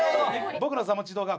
僕の座持ち動画